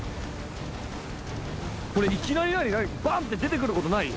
これいきなり何何バンって出てくることない？